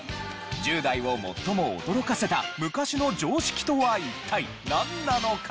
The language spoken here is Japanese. １０代を最も驚かせた昔の常識とは一体なんなのか？